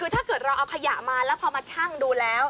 คือถ้าเกิดเราเอาขยะมาแล้วพอมาชั่งดูแล้ว